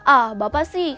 ah bapak sih